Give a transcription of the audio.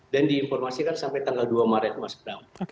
dan diinformasikan sampai tanggal dua maret mas bram